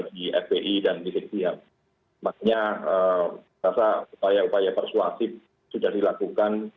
saya rasa upaya upaya persuasi sudah dilakukan